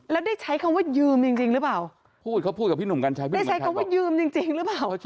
แล้วได้ใช้คำว่ายืมจริงจริงหรือเปล่าพูดเขาพูดกับพี่หนุ่มกัญชัยไม่ได้ใช้คำว่ายืมจริงจริงหรือเปล่า